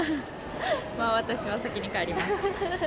私は先に帰ります。